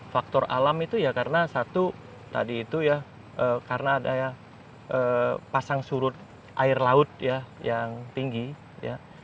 faktor alam itu ya karena satu tadi itu ya karena ada pasang surut air laut ya yang tinggi ya